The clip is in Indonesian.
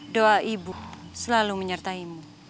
doa ibu selalu menyertai